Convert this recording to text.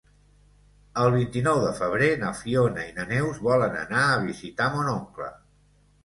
El vint-i-nou de febrer na Fiona i na Neus volen anar a visitar mon oncle.